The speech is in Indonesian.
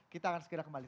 kita akan segera kembali